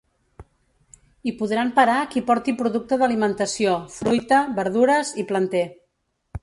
Hi podran parar qui porti producte d’alimentació, fruita, verdures i planter.